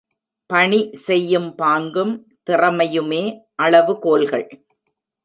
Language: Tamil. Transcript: பணி செய்யும் பாங்கும் திறமையுமே அளவுகோல்கள்.